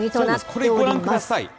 これご覧ください。